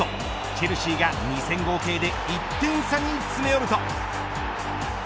チェルシーが２戦合計で１点差に詰め寄ると。